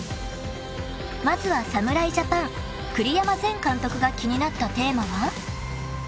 ［まずは侍ジャパン栗山前監督が気になったテーマは？］